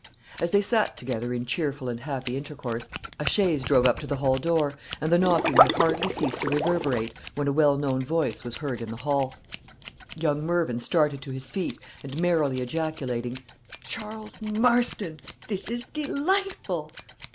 As they sate together in cheerful and happy intercourse, a chaise drove up to the hall door, and the knocking had hardly ceased to reverberate, when a well known voice was heard in the hall. Young Mervyn started to his feet, and merrily ejaculating, "Charles Marston! this is delightful!"